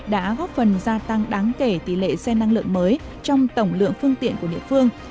đã góp phần gia tăng đáng kể tỷ lệ xe năng lượng mới trong tổng lượng phương tiện của địa phương